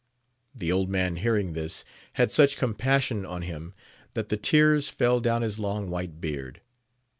The old man hearing this, had such com passion on him that the tears fell down his long white beard.